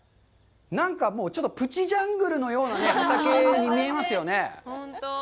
なんかもうちょっとプチジャングルのような畑に見えますよね。